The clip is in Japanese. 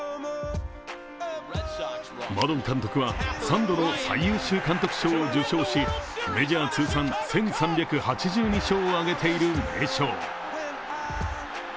マドン監督は３度の最優秀監督賞を受賞し、メジャー通算１３８２勝を上げている名将。